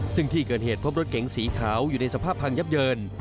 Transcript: ซึ่งที่เกิดเหตุพบรถเก๋งสีขาวอยู่ในสภาพพังยับเยิน